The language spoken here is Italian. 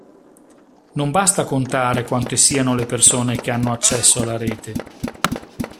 Non basta contare quante siano le persone che hanno accesso alla rete.